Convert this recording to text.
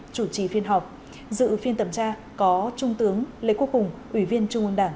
chủ trí phiên họp dự phiên thẩm tra có trung tướng lê quốc hùng ủy viên trung ương đảng